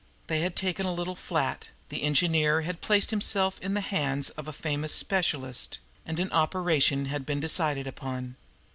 They had taken a little flat, the engineer had placed himself in the hands of a famous specialist, and an operation had been decided upon.